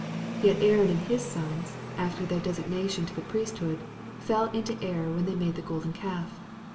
Yet Aaron and his sons, after their designation to the priesthood, fell into error when they made the golden calf.